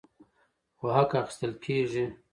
خو حق اخیستل کیږي.